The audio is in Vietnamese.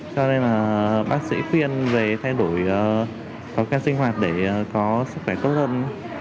cho nên là bác sĩ khuyên về thay đổi thói quen sinh hoạt để có sức khỏe tốt hơn